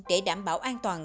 để đảm bảo an toàn